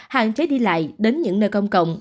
hạn chế đi lại đến những nơi công cộng